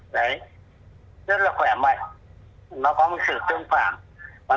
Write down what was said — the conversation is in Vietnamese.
đấy rất là khỏe mạnh nó có một sự tương phản